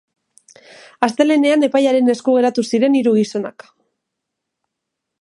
Astelehenean epailearen esku geratu ziren hiru gizonak.